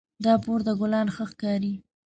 دا پورته ګلان ښه ښکاري